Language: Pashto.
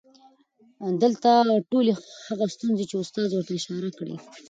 دلته ټولې هغه ستونزې چې استاد ورته اشاره کړى